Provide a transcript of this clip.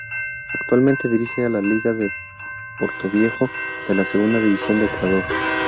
Actualmente dirige a la Liga de Portoviejo de la Segunda División de Ecuador.